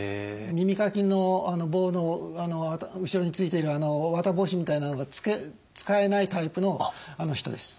耳かきの棒の後ろについている綿帽子みたいなのが使えないタイプの人です。